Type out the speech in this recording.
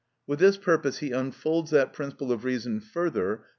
With this purpose he unfolds that principle of reason further, p.